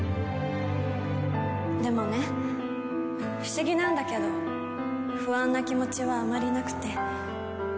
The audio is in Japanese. でもね不思議なんだけど不安な気持ちはあまりなくて。